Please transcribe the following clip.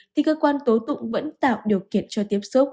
thì cơ quan tố tụng vẫn tạo điều kiện cho tiếp xúc